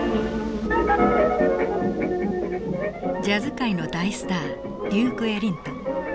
ジャズ界の大スターデューク・エリントン。